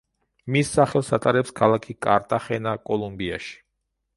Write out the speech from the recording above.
მის სახელს ატარებს ქალაქი კარტახენა კოლუმბიაში.